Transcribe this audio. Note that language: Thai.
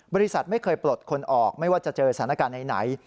บริษัทไม่เคยปลดคนออกไม่ว่าจะเจอสถานการณ์ไหน